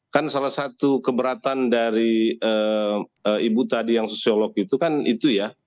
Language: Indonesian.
kan salah satu keberatan dari ibu tadi yang sosiolog itu kan itu ya